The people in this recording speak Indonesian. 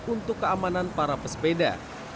untuk keamanan para pesepeda